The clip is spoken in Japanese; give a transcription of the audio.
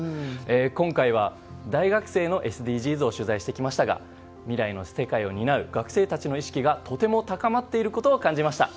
今回は、大学生のＳＤＧｓを取材してきましたが未来の世界を担う学生たちの意識がとても高まっていることを感じました。